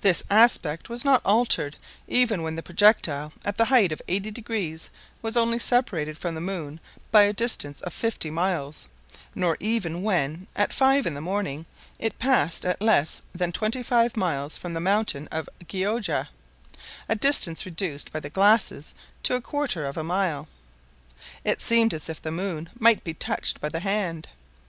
This aspect was not altered even when the projectile, at the height of 80°, was only separated from the moon by a distance of fifty miles; nor even when, at five in the morning, it passed at less than twenty five miles from the mountain of Gioja, a distance reduced by the glasses to a quarter of a mile. It seemed as if the moon might be touched by the hand!